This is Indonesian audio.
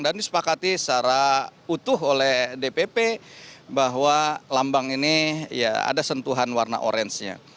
disepakati secara utuh oleh dpp bahwa lambang ini ya ada sentuhan warna orange nya